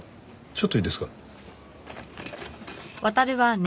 ちょっといいですか？